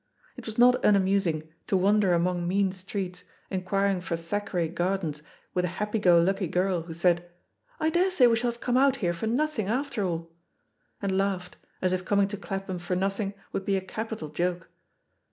It was not unamusing to wander among mean streets, inquiring for Thackeray 96 THE POSITION OP PEGGY HARPER Crardens with a happy go lucky girl who said, "I daresay we shall have come out here for noth ing, after all/' and laughed, as if coming to Clapham for nothing would be a capital joke.